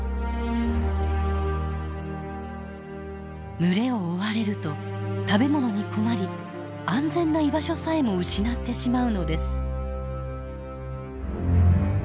群れを追われると食べ物に困り安全な居場所さえも失ってしまうのです。